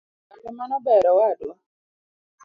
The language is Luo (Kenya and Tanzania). Kare mano ber awadwa.